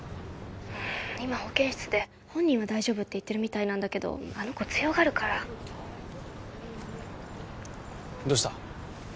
☎うん今保健室で本人は大丈夫って言ってるみたいなんだけどあの子強がるからどうした？